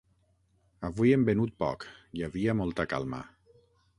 Avui hem venut poc, hi havia molta calma.